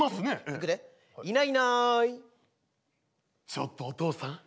ちょっとお父さん？